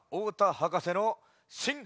はかせのしん